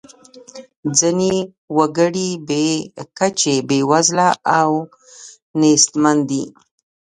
ځینې وګړي بې کچې بیوزله او نیستمن دي.